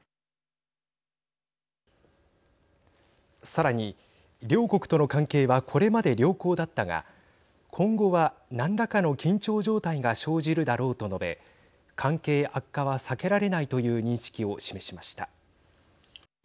さらに、両国との関係はこれまで良好だったが今後は何らかの緊張状態が生じるだろうと述べ関係悪化は避けられないという認識を示しました。